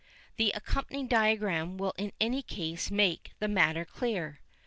The accompanying diagram will in any case make the matter clear.